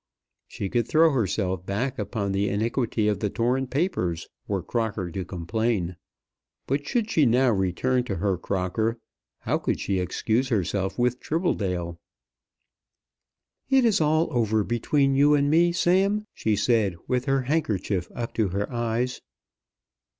She could throw herself back upon the iniquity of the torn papers were Crocker to complain. But should she now return to her Crocker, how could she excuse herself with Tribbledale? "It is all over between you and me, Sam," she said with her handkerchief up to her eyes.